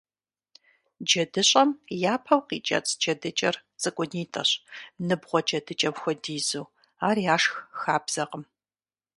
ДжэдыщӀэм япэу къикӀэцӀ джэдыкӀэр цӀыкӀунитӀэщ, ныбгъуэ джэдыкӀэм хуэдизу, ар яшх хабзэкъым.